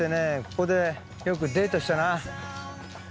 ここでよくデートしたな。